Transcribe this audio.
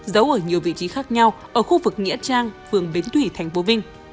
giấu ở nhiều vị trí khác nhau ở khu vực nghĩa trang phường bến thủy tp vinh